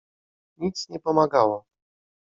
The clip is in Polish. "Nic nie pomagało."